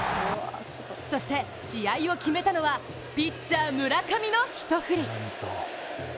そして、試合を決めたのはピッチャー・村上の１振り。